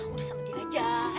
udah sama dia aja